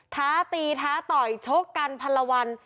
ท้าตีท้าต่อยชกกันพันละวัน